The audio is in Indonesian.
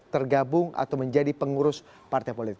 tergabung atau menjadi pengurus partai politik